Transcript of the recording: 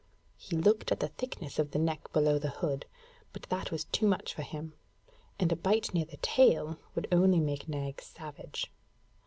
He looked at the thickness of the neck below the hood, but that was too much for him; and a bite near the tail would only make Nag savage.